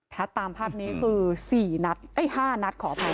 ถ้าตามภาพนี้คือสี่นัดเอ้ยห้านัดขออภัย